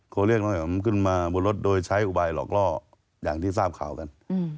เขาเรียกน้องอ๋อมขึ้นมาบนรถโดยใช้อุบายหลอกล่ออย่างที่ทราบข่าวกัน